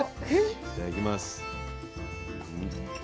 いただきます。